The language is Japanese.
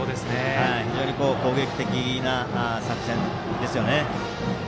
非常に攻撃的な作戦ですよね。